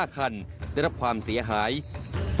ขอมาจากทหารแปลงยาว